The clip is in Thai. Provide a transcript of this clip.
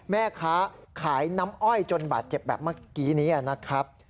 แม่ค้าขายน้ำอ้อยจนบาดเจ็บแบบเมื่อกี้นี้นะครับ